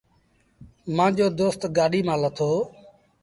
مآݩجو دوست گآڏيٚ مآݩ لٿو۔